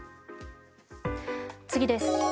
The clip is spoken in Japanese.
次です。